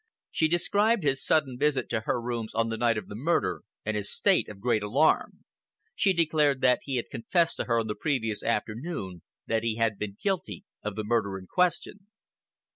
She described his sudden visit to her rooms on the night of the murder, and his state of great alarm. She declared that he had confessed to her on the previous afternoon that he had been guilty of the murder in question.